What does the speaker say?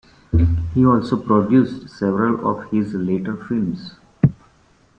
He also produced several of his later films.